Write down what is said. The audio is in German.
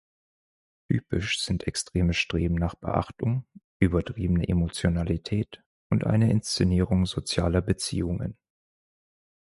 Typisch sind extremes Streben nach Beachtung, übertriebene Emotionalität und eine Inszenierung sozialer Beziehungen.